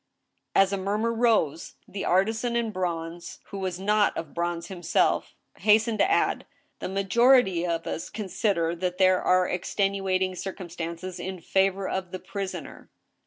" As a mumvur rose, the artisan in bronze, who was not of bronze himself, hastened to add; " The majority of us consider that there are extenuating circum stances in favor of the prisoner."